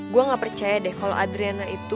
gue gak percaya deh kalau adriana itu